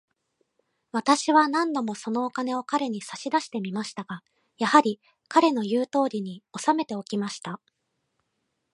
私は何度も、そのお金を彼に差し出してみましたが、やはり、彼の言うとおりに、おさめておきました。